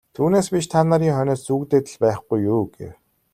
Түүнээс биш та нарын хойноос зүүгдээд л байхгүй юу гэв.